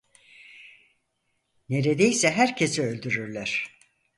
Neredeyse herkesi öldürürler.